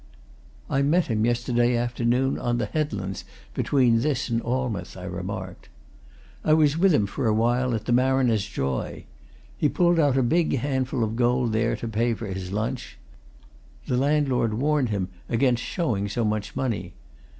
"I met him yesterday afternoon on the headlands between this and Alnmouth," I remarked. "I was with him for a while at the Mariner's Joy. He pulled out a big handful of gold there, to pay for his lunch. The landlord warned him against showing so much money.